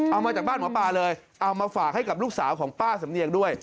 เอามาจากบ้านหมอปลาเลยเอามาฝากให้กับลูกสาวของป้าสำเนียงด้วย